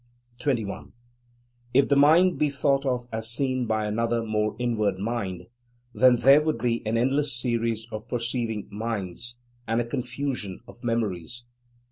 21. If the Mind be thought of as seen by another more inward Mind, then there would be an endless series of perceiving Minds, and a confusion of memories.